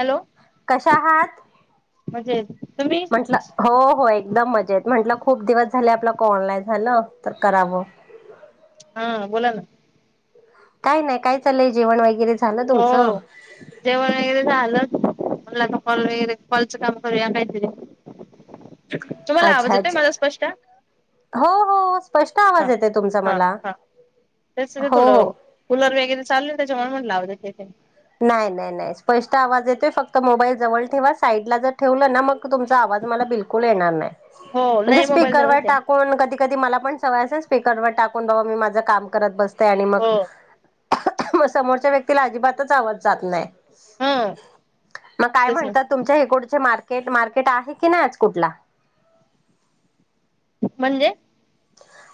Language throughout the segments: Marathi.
हॅलो. कशा आहात? म्हणजे तुम्ही म्हंटलं, हो, हो. एक एकदम मजेत. म्हंटलं, खूप दिवस झाले आपल्या कॉल नाही झालं, तर करावं. हा, बोला ना. काय नाही? काय चाललंय? जेवण वगैरे झालं होओ. तुमचं? जेवण वगैरे झालं. म्हणलं आता कॉल वगैरे, कॉलचं काम करूया काहीतरी. तुम्हाला आवाज अच्छा येतोय अच्छा माझा स्पष्ट? हो, हो. स्पष्ट आवाज येतय तुमचा हा मला. हो. हो. कुलर वगैरे चालूय, त्याच्यामूळं म्हणलं आवाज येतोय काय? नाही, नाही, नाही. स्पष्ट आवाज येतोय. फक्त मोबाईल जवळ ठेवा. साईडला जर ठेवलं ना, मग तुमचा आवाज बीलकुल येणार नाही. हो म्हणजे नाही मोबाईल स्पीकरवर जवळच आहे टाकून कधी क कधी मला पण सवय. असं स्पीकरवर टाकून बाबा, मी माझं काम करत बसते आणि मग हो मग समोरच्या व्यक्तीला अजिबातच आवाज जात नाही. हा मग काय तेच ना म्हणतात? तुमच्या हिकोडचे मार्केट. मार्केट आहे की नाही आज कुठला? म्हणजे?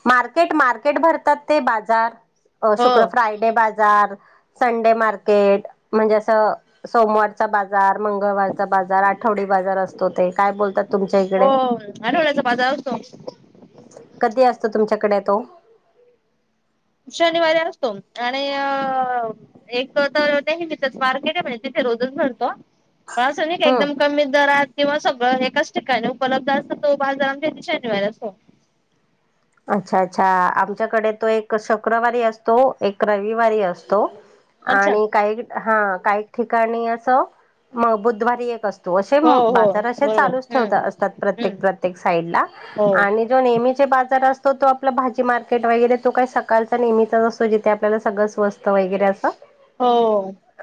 मार्केट. मार्केट भरतात, ते बाजार. हो शुक्र- फ्रायडे बाजार संडे मार्केट. म्हणजे असं सोमवारचा बाजार. मंगळवारचा बाजार. आठवडी बाजार असतो ते. काय बोलतात तुमच्या हो इकडे? आठवड्याचा बाजार आसतो. कधी असतो, तुमच्याकडे तो? शनिवारी असतो. आणि अ एक तर त्या हिंजेतच मार्केटय. [unintelligible] तिथे रोजच भरतो. पासं नाही का? हम्म एकदम कमी दरात किंवा सगळं एकाच ठिकाणी उपलब्ध असंतो. तो बाजार आमच्या इथं, शनीवारी असतो. अच्छा, अच्छा. आ आमच्याकडे तो एक शुक्रवारी असतो. एक रविवारी असतो. अच्छा आणि काही, हा काही ठिकाणी असं, म बुधवारी एक असतो. तो असे, हो हो बाजार असे बरोबर चालूच ठेवता हम्म असतात. हम्म प्रत्येक - प्रत्येक साईडला हो आणि तो नेहमीचे बाजार अस तो. तो आपला भाजी मार्केट वगैरे. तो काही सकाळचा नेहमीच असतो. जिथे आपल्याला सगळं स्वस्त वगैरे असंत. हो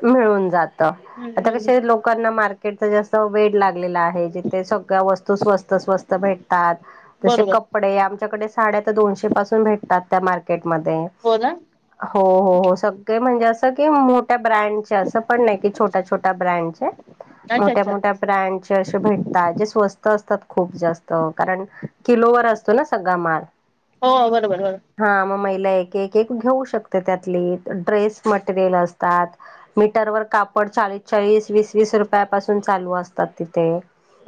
मिळून जातं. हम्म आता हम्म कसय, लोकांना मार्केटचं जास्त वेड लाग लेलं आहे. जीथे सगळ्या वस्तु स्वस्त- स्वस्त भेटतात. तसे बरोबर कपडे आमच्याकडे साड्या त दोनशे पासून भेटतात. त्या मार्केटमध्ये. हो ना. हो, हो, हो. सगळे म्हणजे असं, की मोठ्या ब्रँड च्या. असं पण नाही की, छोट्या- छोट्या ब्रँडच्या. अच्छा अच्छा मोठ्या-मोठ्या ब्रँडचे असे भेटतात. जे स्वस्त असतात, खूप जास्त. कारण किलोवर असतो ना, सगळा माल. हो. बरोबर, बरोबर. हा, मग महिला एक- एक, एक घेऊ शकते त्यातली. ड्रेस मटेरियल असतात. मीटरवर कापड चाळीस- चाळीस, वीस-वीस रुपयापासून चालू असतात तिथे.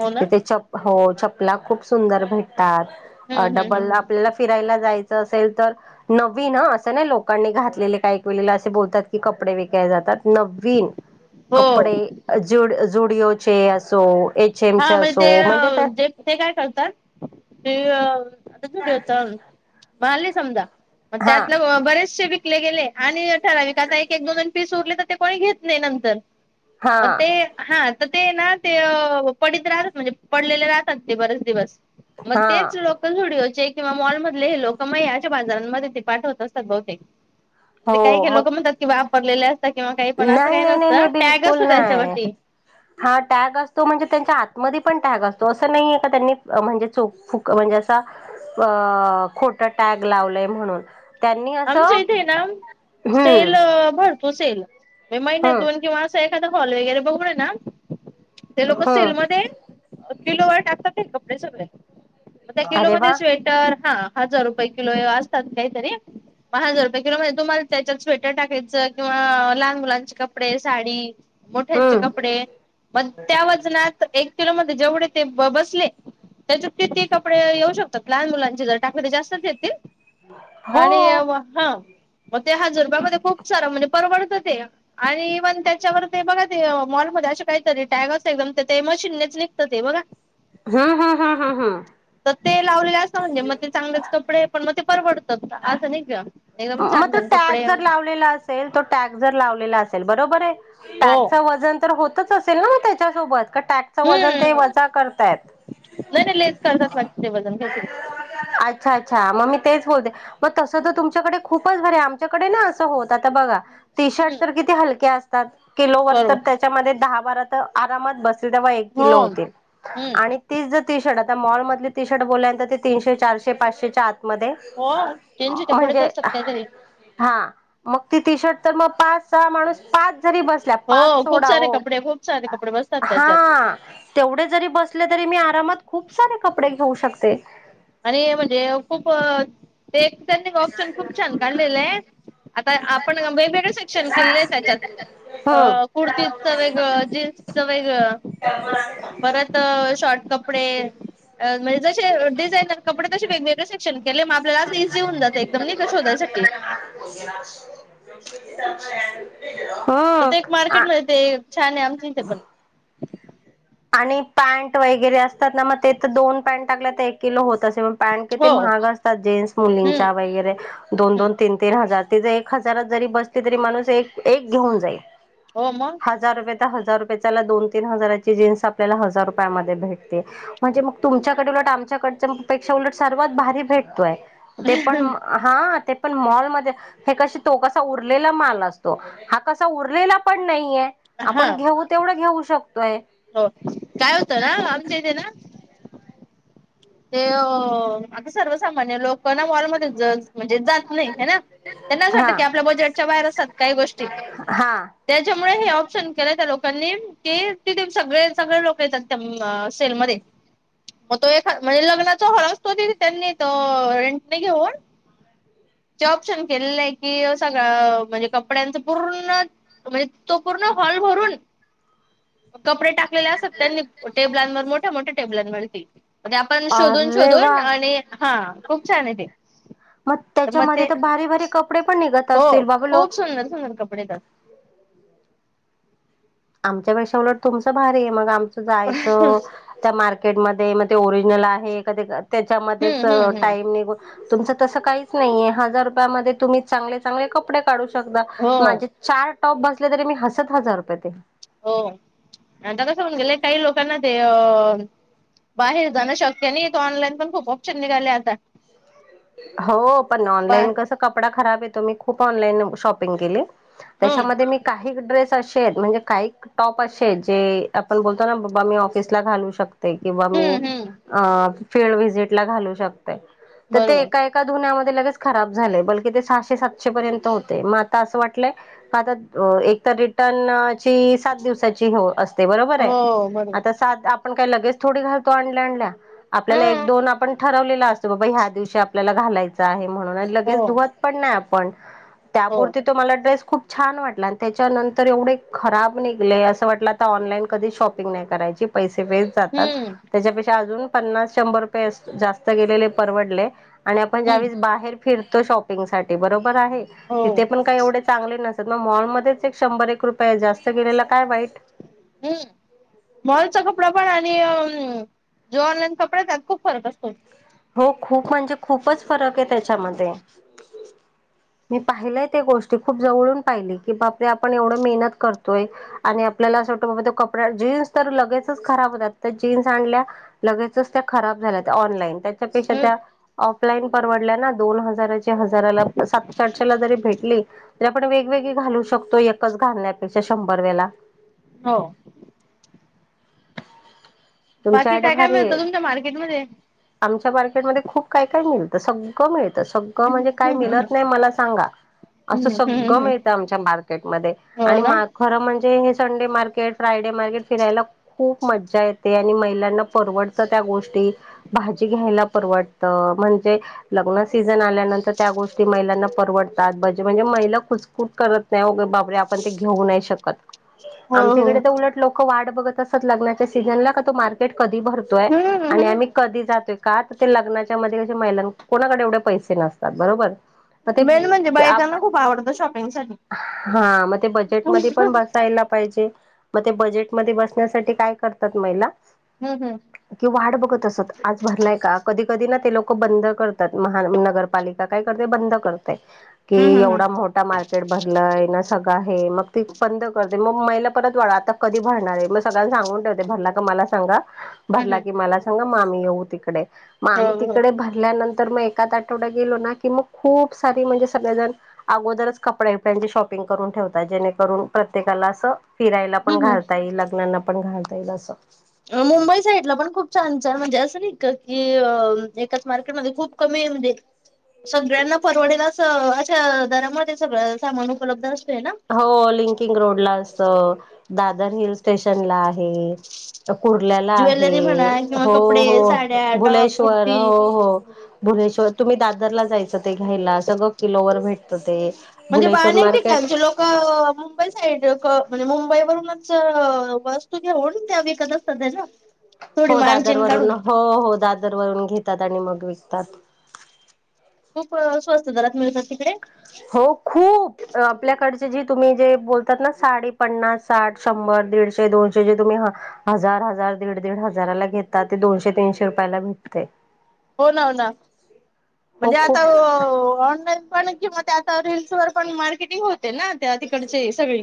हो ना तिथे चप हो, चपला खूप सुंदर भेटतात. अ हम्म हम्म हम्म डबल हम्म अप ला फिरायला जायचं असेल, तर नवीन आ, असं नाही लोकांनी घातलेले. काई का वेळेला असे बोलतात, की कपडे विकाय जातात. नवीन कपडे हो जुड- जुडिओचे असो. एच एमचे हा असो. ते म्हणजे अ, त्या जे ते काय करतात, ते आता स्टूडिओ चालूयं माले समजा पण हा त्यातलं ग बरेचसेे विकले गेलेय आणि ठराविक आता एक एक दोन दोन पीस उरले तर ते कोणी घेत नाही नंतर, हा पण ते हा त ते ना ते अ पडीत राहतात म्हणजे पडलेले राहतात ते बरेचं दिवस मग हा तेच लोक त झुडिओचे किंवा मॉल मधले हे लोकं म हे आशा बाजारांमध्ये ते पाठवत असतात बहुतेक ते हो काही काही मग लोकं म्हणतात की वापरलेले असतात किंवा काही पण असं नाही काही नसतं, टॅग असतो त्याच्यावरती ह [inaudible] हा टॅग असतो म्हणजे त्यांच्या आतमध्ये पण टॅग असतो असं नाहीे का त्यांनी म्हणजे चोक फुक म्हणजे असा अ खोटा टॅग लावलंय म्हणून त्यांनी आमच्या असं इथेयना हम्म सेलं भर तो सेल बई हम्म महिण्यातुन किंवा असं एखादा हॉल वगैरे बघूनं ना ते लोक हम्म सेलमध्ये अ किलोवर टाकतात ते कपडे सगळे म त्या किलो अरे वा मध्ये स्वेटर हा हजार रुपये किलोय असतात काहीतरी पहा हजार रुपये किलो म्हणजे तुम्हाला त्याच्यात स्वेटर टाकायचं किंवा लहान मुलांचे कपडे साडी मोठ्यांचे हम्म कपडे मग त्या वजनात एक किलो मध्ये जेवढे ते ब बसले त्याच्या किती कपडे येऊ शकतात लहान मुलांची जर टाकले तर जास्तचं येतील हो आणि वा हा मग ते हजार रुपयामध्ये खूप सारा म्हणजे परवडतं ते आणि इव्हन त्याच्यावर ते बघा ते मॉलमध्ये अशे काहीतरी टॅग असते एकदम तर ते मशिननेच निघत ते बघा हा हा हा हा हा तर ते लावलेले असता म्हणजे मग ते चांगलेच कपडे पण मग ते परवडतात असं नाही का एकदम छान छान कपडेयन सेलच तो टॅग जर लावलेल असेल बरोबरं, टॅग च वजन तोच असेल ना मग त्याच्या सोबत का टॅग च वजन ते हम्म वजा करतायत नाही नाही लेस करतात वाटत ते वजन काहीतरी अच्छा अच्छा मग मी तेच बोलते मग तसं त तुम आमच्याकडे खूपच भारी आमच्याकडे ना असं होत आता बघा टी शर्ट हम्म तर किती हलके असतात किलोवर बरोबर तर त्याच्यामध्ये दहा बारा तर आरामात बसतील तेव्हा एक हो किलो होतील हम्म आणि तीच जर टी शर्ट आता मॉलमधली टी शर्ट बोल्यानंतर ते तीनशे चारशे पाचशेच्या आतमध्ये हो तीनशेच्या पुढेच म्हणजे असतात काहीतरी हा मग ती टी शर्ट तर मग पाच सहा माणूस पाच जरी बस - - ते हो पाच खूप सारे सोडाओ, कपडे खूप सारे कपडे बसतात त्याच्यात हा... तेवढे जरी बसले तरी मी आरामात खूप सारे कपडे घेऊ शकते आणि म्हणजे खूपं अ ते ट्रेंडिंग ऑप्शन खूप छान काढलेलंय आताय आपण कंपनीचे कशे सेक्शन केलेलेय त्याच्यात अ हम्म कुर्तीचं वेगळं जीन्सच वेगळं परतं शॉर्ट कपडे अ म्हणजे जशी ये डिझाईन तर कपडे कशे वेगवेगळे सेक्शन केलेय मग आपल्याला असं इझी होऊ जात एकदम नई का शोधायसाठी [unintelligible] [unintelligible] त ते एक हम्म मार्केटमध्ये ते छानं आमच्या इथ पण आणि पॅन्ट वगैरे असतात ना मग ते तर दोन पॅन्ट टाकले तर एक किलो होत असे मग पॅन्ट किेती हो महाग असतात जिन्स हम्म मुलींच्या वगैरे दोन हम्म दोन तीन तीन हजार ते ज एक हजारात जरी बसली तरी माणूस एक एक घेऊन जाईल हो मंग हजार रुपय तर हजार रुपयेला दोन तीन हजाराची जीन्स आपल्या हजार रुपयामध्ये भेटते. म्हणजे मग तुमच्याकडे उलट आमच्याकड पेक्षा उलट सर्वात भारी भेटतोय ते पण? हा ते पण मॉलमध्ये, हे कशी तो कसा उरलेला माल असतो हा कसा उरलेला पण नाहीये. हा आपण घेऊ तेवढं घेऊ शकतोय! हो काय होतं ना आमच्या इथे ना! ते अ आता सर्वसामान्य लोक ना मॉलमध्ये म्हणजे जात नाही ह ना. त्यांनाच अस वाटतं की हा आपल्या बजेटच्या बाहेर असतात काही गोष्टी. हा, त्याच्यामुळे हे ऑप्शन केलं त्या लोकांनी? की त सगळे सगळे लोक येतात सेलमध्ये मग तो एक. म्हणजे लग्नाचा हळसत हो त्यांनी त रेंट नाही घेऊन! जे ऑप्शन केलेलं आहे की सगळं म्हणजे कपड्यांचं पूर्ण, म्हणजे तो पूर्ण हॉल भरून' ह, कपडे टाकले असत त्यांनी टेबलांवर मोठ्या मोठ्या टेबलांवरती. म ते आपण शोधून अरे वा. शोधून आणि हा खूप छान आहे ते. मग मग त्याच्यामध्ये ते तर भारी भारी कपडे पण निघत हो असतील बाबा लो? खूप सुंदर सुंदर कपडे येतात. आमच्यापेक्षा उलट तुमचं भारी आहे मग आमचं जायचं. त्या मार्केटमध्ये मग ते ओरिजिनल आहे कधी त्याच्यामध्येच हम्म हम्म हम्म टाइम अ निघुण. तुमच तस काहीच नाहीये हजार रुपयामध्ये तुम्ही चांगले चांगले कपडे काढू शकता हो माझे. चार टॉप बसले तरी मी हसत हजार रुपये देईन. हो आता कसं होऊन गेले काही लोकांना ते! अ बाहेर जाणं शक्य नाही त ऑनलाईन पण खूप ऑप्शन निघाले आता? हो पण बा ऑनलाईन कस कपडा खराब येतो मी खूप ऑनलाईन शॉपिंग केली. हम्म त्याच्यामध्ये मी काही एक ड्रेस! अशे म्हणजे काही टॉप असे आहेत जे आपण बोलतो ना बाबा मी ऑफिसला घालू शकतो. किंवा मी हम्म हम्म. अ फिड वीजिट ला घालू शकते तर ते बरोबर. एका? एका धुन्यामध्ये लगेच खराब झाले पण किती ते सहाशे सातशे पर्यंत होते मग आता असं वाटलय. आता एक तर रिटर्नची सात दिवसाची हो अस. ते बरोबर आहे हो बरोबर. आता सात आपण काय लगेच थोडी घालतो आणल्या आणल्या. आपल्याला एक हां. दोन आपण ठरवलेला असतो बाबा ह्या दिवशी आपल्याला. घालायचा आहे म्हणून हो, लगेच धुत पण नाही आपण हो. त्यामुळे ते. तो मला ड्रेस खूप छान वाटला आणि त्याच्यानंतर एवढे खराब निघले असं वाटला. आता ऑनलाईन कधी शॉपिंग नाही करायची पैसे वेस्ट. जातात हम्म, त्यापेक्षा अजुन पन्नास शंभर रुपये जास्त गेलेले परवडले. आणि आपण हम्म. ज्यावेळेस बाहेर फिरतो शॉपिंग साठी बरोबर आहे हो, तिथे पण काय एवढे. चांगले नसत मग मॉलमध्येच एक शंभर एक रुपये जास्त गेलेला काय वाईट. हम्, मॉलचा कपडा पण आणि जो ऑनलाईन कपडा त्यात खूप फरक असतो. हो खूप म्हणजे खूपच फरक आहे त्याच्यामध्ये! मी पाहिलंय त्या गोष्टी खूप जवळून पाहिली की बापरे आपण एवढं मेहनत करतोय. आणि आपल्याला असं वाटतं बाबा तो कपडा जीन्स तर लगेचच खराब होतात तर जीन्स आणल्या. लगेचच त्या खराब झाल्या ऑनलाईन. त्यापेक्षा हम्म. त्या आफलाईन परवडलं ना, दोन हजार हजाराला सातशे, आठशे ला जरी भेटले. वेगवेगळी घालू शकतो एकच घालण्यापेक्षा शंभर वेला हो. तुमच्या बाकी आयडिया काय, काय भारी आहे मिळतं तुमच्या मार्केटमध्ये आमच्या मार्केटमध्ये खूप काय, काय मिळतं सगळं मिळतं सग. [inaudible] हम्म, म्हणजे काही मिळत नाही मला सांगा. असं हम्म, सगळं हम्म. मिळतं आमच्या मार्केटमध्ये हो आणि ना. खरं म्हणजे हे संडे मार्केट, फ्रायडे मार्केट फिरायला खूप मज्जा आहे. ते आणि महिलांना परवडतं त्या गोष्टी भाजी घ्यायला परवडतं म्हणजे लग्न सीझन आल्यानंतर त्या गोष्टी महिलांना परवडतातजे म्हणजे महिला खुच कुठ करत नाही वगे बापरे आपण ते घेऊ नाही शकत. हो, आमच्या इकडे हो. तर उलट लोक वाट बघत असत लग्नाच्या सीझनला का तो मार्केट कधी भरतो. हम्म, [inaudible] आणि हम्म. आम्ही कधी जातोय. का तर ते लग्नाच्या मध्ये क महिलां, कोणाकडे एवढे पैसे नसतात बरोबर. मग मेन म्हणजे ते बायकांना खूप आवडतं शॉपिंगसाठी. [inaudible] हा मग ते हम्म, बजेटमध्येध्ये पण बस. यला पाहिजे मग ते बजेट म बसण्यासाठी काय करतात महिला हम्. हम्. कि वाढ बघत असत आज भरलाय का कधी कधी ना ते लोक बंद करतात महान नगरपालिका [inaudible] काय करते बंद करतय की हम्म, हम्म, हम्म. एवढा मोठ [inaudible] मार्केट भरलंय ना सगळं आहे मग ती बंद करते मग महिला परत वाढ आता कधी भरणार आहे. मग सगळ्यांना सांगून ठेवते भरला का मला [inaudible] ा हम्म, भरला हम्म. की मला सांग माम येऊ तिकडे मग आम्ही हो, हो. तिकडे भरल्यानंतर मग सात, आठवडा गेलो ना की मग खूप सारी म्हणजे सगळेजण अगोदरच कपड्याबिड्यांची शॉपिंग करून ठेवतात. जेणेकरून प्रत्येकाला अस फिरायला पण हम्म, हम्म. घालता येईल लग्नांना पण घालता येईल अस मुंबई साईडला पण खूप छान छान म्हणजे, अस नाही का की एकाच मार्केटमध्ये खूप कमी म्हणजे ह [unintelligible] [inaudible] सगळ्यांना [inaudible] परवडेलाच अशा दरामध्ये सगळ सामान उपलब्ध असतेय ना हो लिंकिंग रोड ला असत दादर हिल स्टेशनला आहे कुर्ल्याला आहे ज्वेलरी म्हणा किंवा हो, कपडे, हो साड्या, टॉप, भुलेश्वर कुर्ती हो, हो भुलेश्वर तुम्ही दादरला जायच ते घ्यायला सगळ किलोवर भेटत ते म्हणजे भुलेश्वर अनेक मार्केट ठिकाणचे लोक मुंबई साईड म्हणजे. मुंबई वरूनच वस्तू घेऊन त्या विकत असतात त्या ना थोडी हो मार्जिन दादरवरून काढून हो, हो, दादर वरून घेतात आणि मग विकतात खूप स्वस्त दरात मिळतात तिकडे हो खूप आपल्याकडचे जे तुम्ही जे बोलतात ना साडी पन्नास, साठ, शंभर, दीडशे, दोनशे जे तुम्ही ह हजार, हजार, दीड, दीड, हजाराला घेतात ते दोनशे, तीनशे रुपयाला भेटते हो [inaudible] नाना हो म्हणजे आता खूप ऑनलाईन पण किंवा ते आता रिल्सवर पण मार्केटिंग होते ना त्या तिकडचे ये सगळे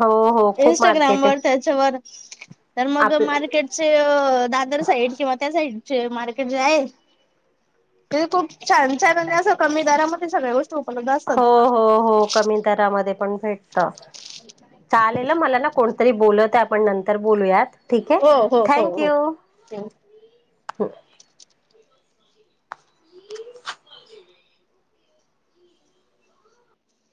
हो हो खूप इंस्टाग्राम मार्केट वर आहे [inaudible] ईस्टावर तर मग आपलं मार्केट [inaudible] तसे दादर साईड किंवा त्या साईडचे मार्केट जे आहे. ते खूप छान छान आणि अस कमी दरामध्ये सगळ्या गो [unintelligible] हो हो हो. कमी दरामध्ये पण भेटतात. चालेल आ. मला ना कोणतरी बोलवताय. आपण नंतर बोलूयात ठीक आहे. Thank you. Thank you.